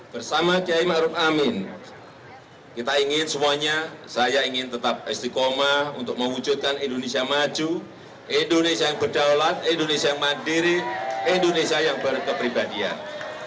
bersama kiai ⁇ maruf ⁇ amin kita ingin semuanya saya ingin tetap istiqomah untuk mewujudkan indonesia maju indonesia yang berdaulat indonesia yang mandiri indonesia yang berkepribadian